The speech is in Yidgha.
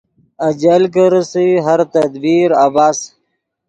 اجل کی ریسئے ہر تدبیر عبث